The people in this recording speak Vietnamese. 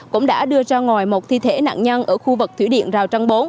cũng đã đưa ra ngoài một thi thể nạn nhân ở khu vực thủy điện giao trang bốn